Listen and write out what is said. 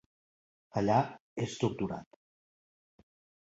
Allà és torturat.